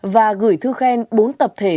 và gửi thư khen bốn tập thể